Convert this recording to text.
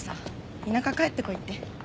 田舎帰ってこいって